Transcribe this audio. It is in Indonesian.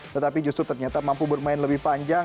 tetapi justru ternyata mampu bermain lebih panjang